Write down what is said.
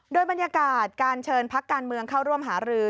โดยบรรยากาศการเชิญพักการเมืองเข้าร่วมหารือ